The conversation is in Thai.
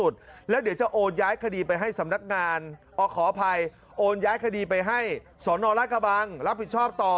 แล้วเดี๋ยวจะโอนย้ายคดีไปให้สำนักงานขออภัยโอนย้ายคดีไปให้สนราชกระบังรับผิดชอบต่อ